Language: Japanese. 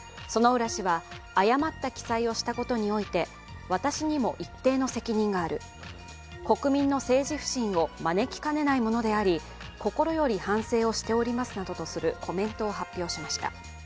薗浦氏は、誤った記載をしたことにおいて私にも一定の責任がある国民の政治不信を招きかねないものであり心より反省をしておりますなどとするコメントを発表しました。